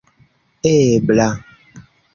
ebla